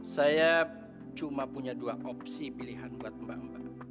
saya cuma punya dua opsi pilihan buat mbak mbak